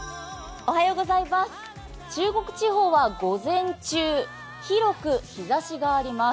中国地方は午前中、広く日ざしがあります。